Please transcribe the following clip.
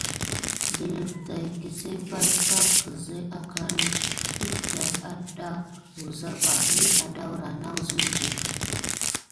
Delva tät kisgəl pay pak kinze akani def adà wuza bà mi adara nasum di.